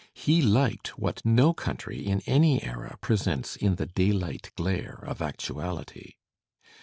He liked what no country in any era presents in the daylight glare of actuality.